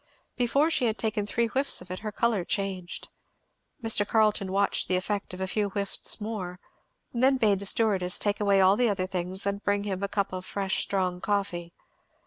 Before she had taken three whiffs of it her colour changed. Mr. Carleton watched the effect of a few whiffs more, and then bade the stewardess take away all the other things and bring him a cup of fresh strong coffee.